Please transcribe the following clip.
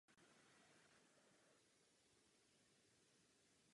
V současnosti je správní území obce menší.